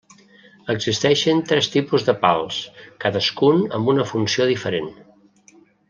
Existeixen tres tipus de pals, cadascun amb una funció diferent.